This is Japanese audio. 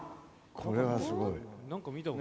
これはすごい。